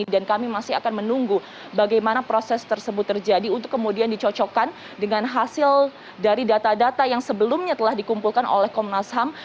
dan kami masih akan menunggu bagaimana proses tersebut terjadi untuk kemudian dicocokkan dengan hasil dari data data yang sebelumnya telah dikumpulkan oleh komnas ham